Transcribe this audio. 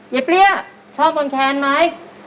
เปรี้ยชอบมนแคนไหม